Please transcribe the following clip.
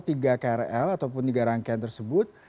tiga krl ataupun tiga rangkaian tersebut